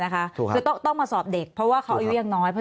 คือต้องมาสอบเด็กเพราะว่าเขาอายุยังน้อย